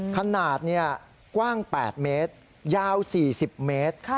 ขนาดกว้าง๘เมตรยาว๔๐เมตร